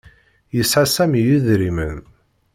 Yesɛa Sami idrimen.